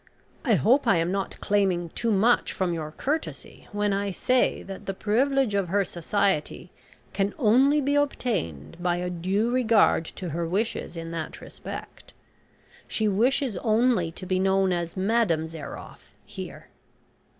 I hope I am not claiming too much from your courtesy when I say that the privilege of her society can only be obtained by a due regard to her wishes in that respect. She wishes only to be known as Madame Zairoff, here."